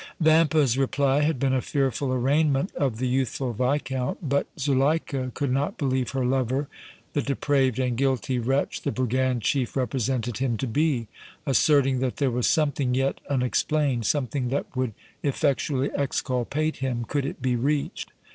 Vampa's reply had been a fearful arraignment of the youthful Viscount, but Zuleika could not believe her lover the depraved and guilty wretch the brigand chief represented him to be, asserting that there was something yet unexplained, something that would effectually exculpate him could it be reached.